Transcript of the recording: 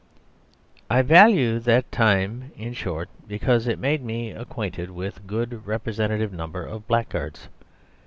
I value that time, in short, because it made me acquainted with a good representative number of blackguards.